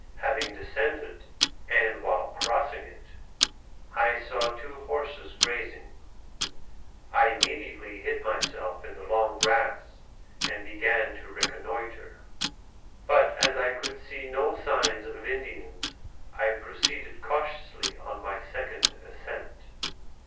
Having descended, and while crossing it, I saw two horses grazing: I immediately hid myself in the long grass, and began to reconnoitre; but as I could see no signs of Indians I proceeded cautiously on my second ascent.